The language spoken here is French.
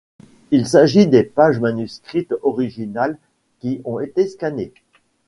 Il s'agit des pages manuscrites originales qui ont été scannées.